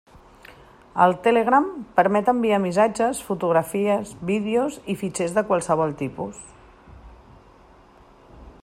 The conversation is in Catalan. El Telegram permet enviar missatges, fotografies, vídeos i fitxers de qualsevol tipus.